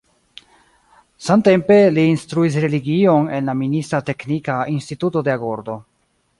Samtempe, li instruis religion en la minista teknika instituto de Agordo.